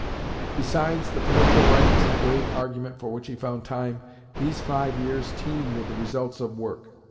Besides the political writings of grave argument for which he found time, these five years teem with the results of work.